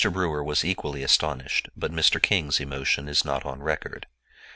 Brewer was equally astonished, but Mr. King's emotion is not of record.